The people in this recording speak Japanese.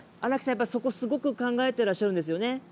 やっぱりそこすごく考えてらっしゃるんですよね？